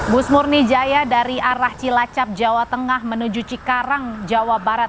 bus murnijaya dari arah cilacap jawa tengah menuju cikarang jawa barat